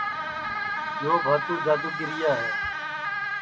یو بھاتو جادو گیرا ہے